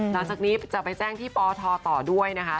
หลังจากนี้จะไปแจ้งที่ปทต่อด้วยนะคะ